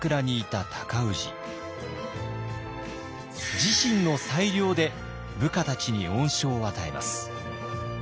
自身の裁量で部下たちに恩賞を与えます。